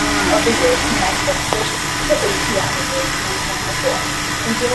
The Norwegian-American settlement of Jefferson Prairie Settlement was located near the village.